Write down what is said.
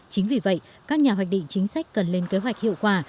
chính vì vậy các nhà hoạch định chính sách cần lên kế hoạch hiệu quả